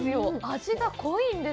味が濃いんです。